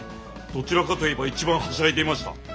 どちらかといえば一番はしゃいでいました。